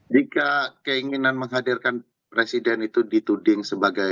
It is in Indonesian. jika keinginan menghadirkan presiden itu dituding sebagai